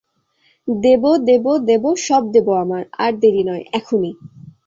দেব, দেব, দেব সব দেব আমার-আর দেরি নয়, এখনি।